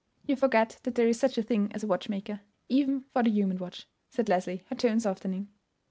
"You forget that there is such a thing as a watchmaker; even for the human watch," said Leslie, her tone softening.